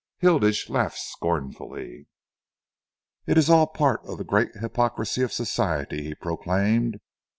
Hilditch laughed scornfully. "It is all part of the great hypocrisy of society," he proclaimed.